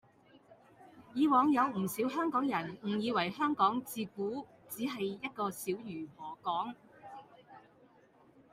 以往有唔少香港人誤以為香港自古只係一個小漁港